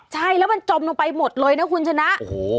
ใช่แล้วมันจมลงไปหมดเลยนะคุณชนะโอ้โห